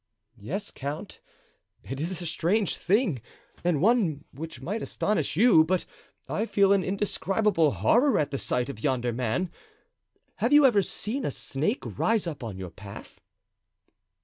"Yes, count, it is a strange thing and one which might astonish you, but I feel an indescribable horror at the sight of yonder man. Have you ever seen a snake rise up on your path?"